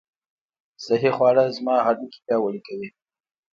صحي خواړه زما هډوکي پیاوړي کوي.